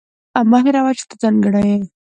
مه هېروه چې ته ځانګړې یې.